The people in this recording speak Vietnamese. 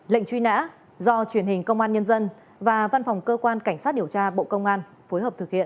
lệnh truy nã do truyền hình công an nhân dân và văn phòng cơ quan cảnh sát điều tra bộ công an phối hợp thực hiện